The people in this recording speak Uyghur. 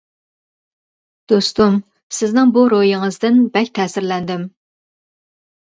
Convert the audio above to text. دوستۇم سىزنىڭ بۇ روھىڭىزدىن بەك تەسىرلەندىم.